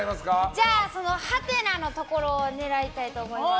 じゃあ、はてなのところを狙いたいと思います。